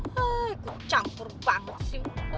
hei ku campur banget sih